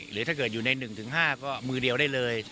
หรือถ้าเกิดอยู่ใน๑๕ก็มือเดียวได้เลย